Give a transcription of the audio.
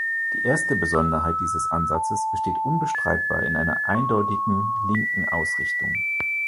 Die erste Besonderheit dieses Ansatzes besteht unbestreitbar in einer eindeutigen linken Ausrichtung.